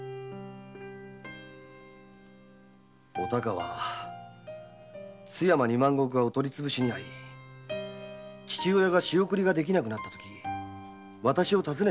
お孝は津山二万石がお取り潰しにあい父親が仕送りできなくなったときわたしを訪ねて参りました。